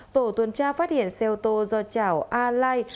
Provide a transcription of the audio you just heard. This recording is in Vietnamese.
tổ tuần tra phát hiện xe ô tô do chảo a lai